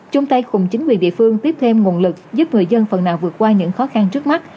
chung tay cùng chính quyền địa phương tiếp thêm nguồn lực giúp người dân phần nào vượt qua những khó khăn trước mắt